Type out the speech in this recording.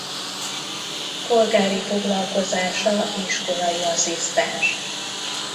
Polgári foglalkozása iskolai asszisztens.